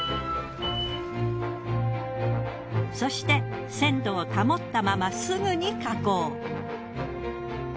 そして鮮度を保ったまますぐに加工。